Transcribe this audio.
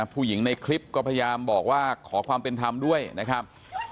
ผู้หญิงในคลิปก็พยายามบอกว่าขอความเป็นธรรมด้วยนะครับ